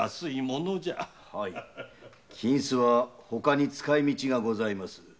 金子はほかにつかい道がございます。